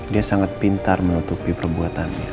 dia sangat pintar menutupi perbuatannya